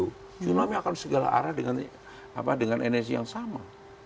tsunami akan segala arah dengan energi yang sama